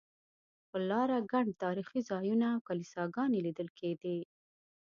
پر لاره ګڼ تاریخي ځایونه او کلیساګانې لیدل کېدې.